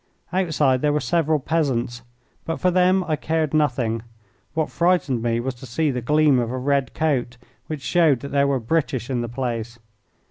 Outside there were several peasants, but for them I cared nothing. What frightened me was to see the gleam of a red coat, which showed that there were British in the place.